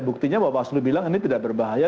buktinya bapak asli bilang ini tidak berbahaya